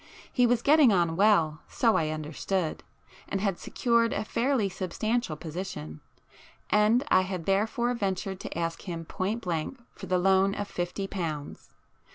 He was getting on well, so I understood, and had secured a fairly substantial position; and I had therefore ventured to ask him point blank for the loan of fifty pounds.